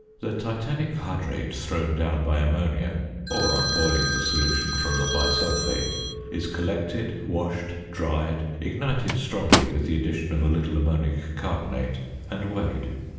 The titanic hydrate thrown down by ammonia (or on boiling the solution from the bisulphate) is collected, washed, dried, ignited strongly with the addition of a little ammonic carbonate, and weighed.